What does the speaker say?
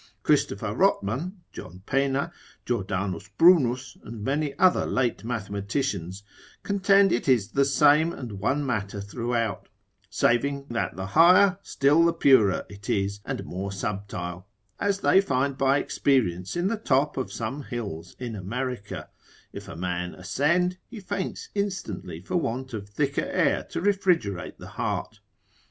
Christopher Rotman, John Pena, Jordanus Brunus, with many other late mathematicians, contend it is the same and one matter throughout, saving that the higher still the purer it is, and more subtile; as they find by experience in the top of some hills in America; if a man ascend, he faints instantly for want of thicker air to refrigerate the heart.